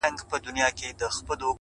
ه مړ يې که ژونديه ستا ستا خبر نه راځي